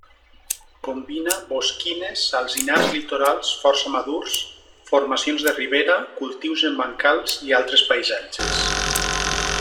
Combina bosquines, alzinars litorals força madurs, formacions de ribera, cultius en bancals i altres paisatges.